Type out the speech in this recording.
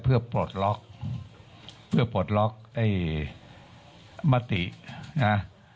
เพื่อโปรดล็อคเพื่อโปรดล็อคมะตินะครับ